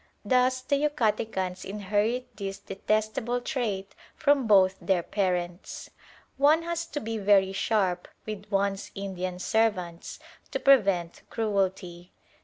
Thus the Yucatecans inherit this detestable trait from both their parents. One has to be very sharp with one's Indian servants to prevent cruelty.